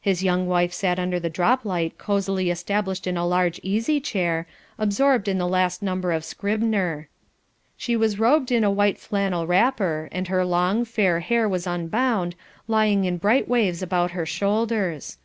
His young wife sat under the drop light cosily established in a large easy chair, absorbed in the last number of Scribner. She was robed in a white flannel wrapper, and her long, fair hair was unbound, lying in bright waves about her shoulders. Mr.